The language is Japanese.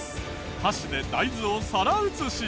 箸で大豆を皿移し。